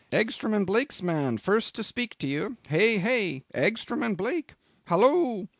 Egstrom & Blake's man first to speak to you! Hey! hey! Egstrom & Blake! Hallo!